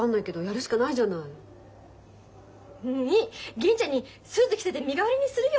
銀ちゃんにスーツ着せて身代わりにするよ。